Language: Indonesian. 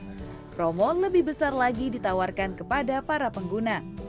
promo lebih besar lagi ditawarkan kepada para pengguna